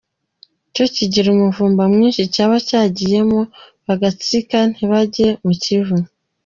Cyo kigira umuvumba mwinshi ,cyaba cyagiyemo bagatsika ntibajye mu Kivu.